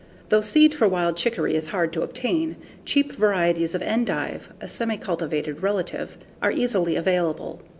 Though seed for wild chicory is hard to obtain, cheap varieties of endive (a semicivilized relative) are easily available.